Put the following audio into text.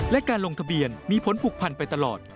และการลงทะเบียนมีผลผูกพันไปตลอด